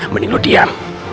mending lo diam